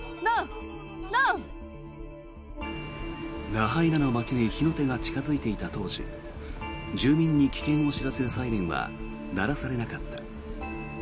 ラハイナの街に火の手が近付いていた当時住民に危険を知らせるサイレンは鳴らされなかった。